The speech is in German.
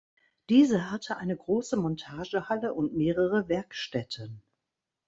Diese hatte eine große Montagehalle und mehrere Werkstätten.